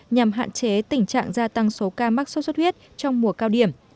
nhằm hạn chế tình trạng gia tăng số ca mắc sốt xuất huyết trong mùa cao điểm